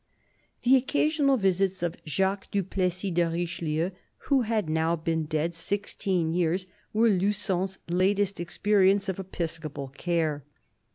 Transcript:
The occasional visits of Jacques du Plessis de Richelieu, who had now been dead sixteen years, were Luzon's latest experience of episcopal care.